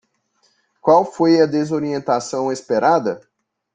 Qual foi a desorientação esperada?